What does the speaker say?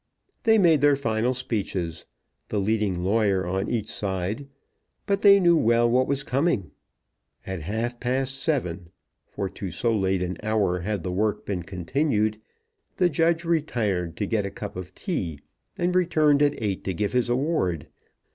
They made their final speeches, the leading lawyer on each side, but they knew well what was coming. At half past seven, for to so late an hour had the work been continued, the judge retired to get a cup of tea, and returned at eight to give his award.